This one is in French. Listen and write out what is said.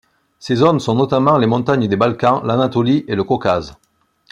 Ces zones sont notamment les montagnes des Balkans, l'Anatolie et le Caucase.